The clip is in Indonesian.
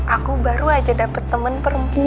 aku baru aja dapet temen perempuan